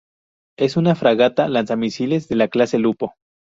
Es una Fragata Lanzamisiles de la clase Lupo.